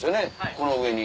この上に。